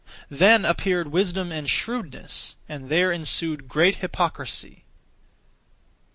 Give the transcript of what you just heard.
(Then) appeared wisdom and shrewdness, and there ensued great hypocrisy. 2.